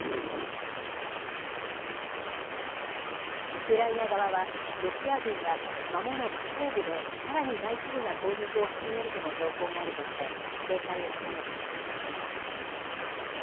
ウクライナ側は、ロシア軍が、まもなく東部でさらに大規模な攻撃を始めるとの情報があるとして、警戒を強めています。